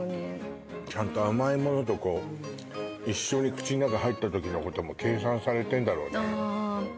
ちゃんと甘いものと一緒に口の中に入ったときのことも計算されてるんだろうね。